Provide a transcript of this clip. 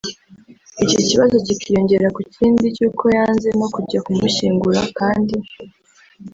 Iki kibazo kikiyongera ku kindi cy’uko yanze no kujya kumushyingura kandi